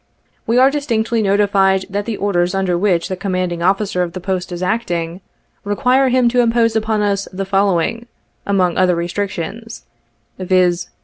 We are distinctly notified that the orders under which the commanding officer of the post is acting, require him to impose up: n us the following, among other restrictions, viz.